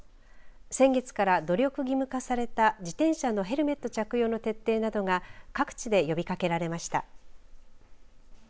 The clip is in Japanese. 先月から努力義務化された自転車のヘルメット着用の徹底などが各地で呼びかけられました。